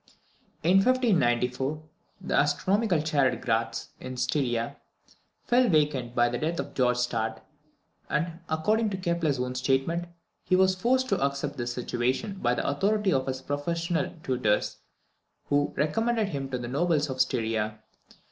In 1594, the astronomical chair at Gratz, in Styria, fell vacant by the death of George Stadt, and, according to Kepler's own statement, he was forced to accept this situation by the authority of his professional tutors, who recommended him to the nobles of Styria.